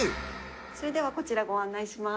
それではこちらご案内します。